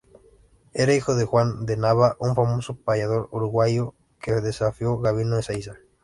Era hijo de Juan de Nava, un famoso payador uruguayo que desafió Gabino Ezeiza.